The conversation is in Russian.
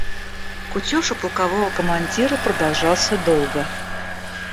Кутеж у полкового командира продолжался долго.